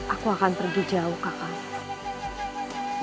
aku akan pergi jauh kakak